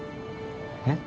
えっ？